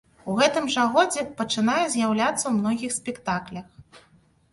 У гэтым жа годзе пачынае з'яўляцца ў многіх спектаклях.